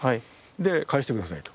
で「返して下さい」と。